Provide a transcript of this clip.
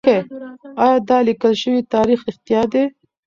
ايا دا ليکل شوی تاريخ رښتيا دی؟